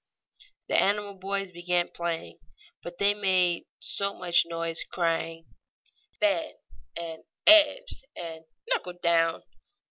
The animal boys began playing, but they made so much noise, crying "Fen!" and "Ebbs!" and "Knuckle down!"